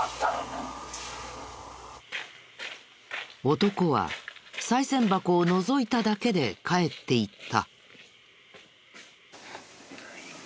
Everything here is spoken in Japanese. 男はさい銭箱をのぞいただけで帰っていった。